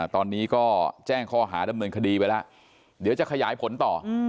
ตอนนี้ก็แจ้งข้อหาดำเนินคดีไปแล้วเดี๋ยวจะขยายผลต่อ